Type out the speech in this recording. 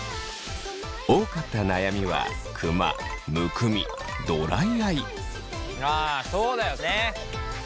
多かった悩みはあそうだよね。